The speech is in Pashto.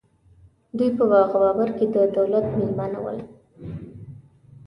دوی په باغ بابر کې د دولت مېلمانه ول.